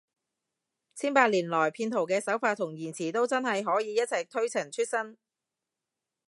千百年來，騙徒嘅手法同言辭都真係可以一直推陳出新